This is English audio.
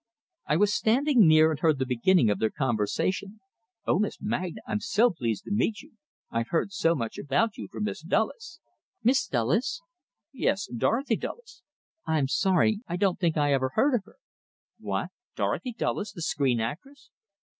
I was standing near, and heard the beginning of their conversation. "Oh, Miss Magna, I'm so pleased to meet you. I've heard so much about you from Miss Dulles." "Miss Dulles?" "Yes; Dorothy Dulles." "I'm sorry. I don't think I ever heard of her." "What? Dorothy Dulles, the screen actress?"